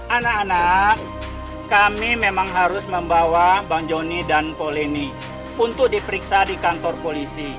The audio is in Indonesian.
anak anak kami memang harus membawa bang joni dan polemi untuk diperiksa di kantor polisi